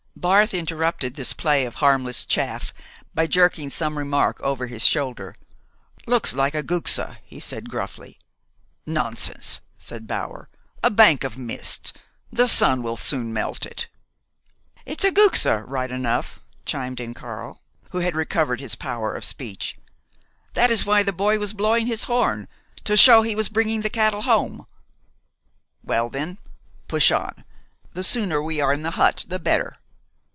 Barth interrupted this play of harmless chaff by jerking some remark over his shoulder. "Looks like a guxe," he said gruffly. "Nonsense!" said Bower, "a bank of mist. The sun will soon melt it." "It's a guxe, right enough," chimed in Karl, who had recovered his power of speech. "That is why the boy was blowing his horn to show he was bringing the cattle home." "Well, then, push on. The sooner we are in the hut the better."